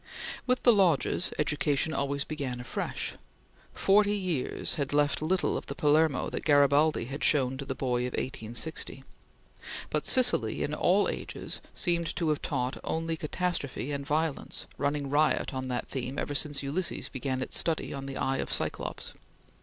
With the Lodges, education always began afresh. Forty years had left little of the Palermo that Garibaldi had shown to the boy of 1860, but Sicily in all ages seems to have taught only catastrophe and violence, running riot on that theme ever since Ulysses began its study on the eye of Cyclops.